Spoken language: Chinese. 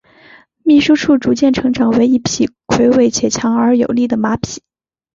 秘书处逐渐成长为一匹魁伟且强而有力的马匹。